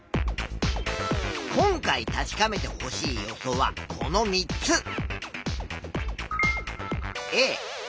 今回確かめてほしい予想はこの３つ。